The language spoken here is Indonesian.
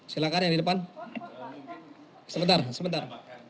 silahkan yang di depan sebentar sebentar